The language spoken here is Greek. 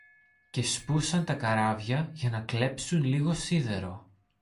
και σπούσαν τα καράβια για να κλέψουν λίγο σίδερο